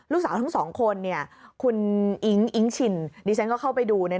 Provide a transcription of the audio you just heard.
ลูกสาวทั้งสองคนคุณอิ๊งอิ๊งชินดิฉันก็เข้าไปดู